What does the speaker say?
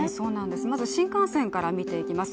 まず新幹線から見ていきます。